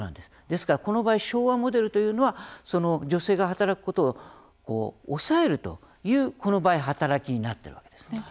ですからこの場合昭和モデルというのは女性が働くことを抑えるというこの場合、働きになっているわけですね。